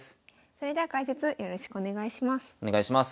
それでは解説よろしくお願いします。